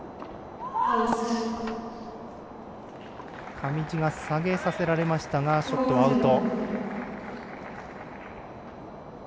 上地が下げされられましたがショットはアウト。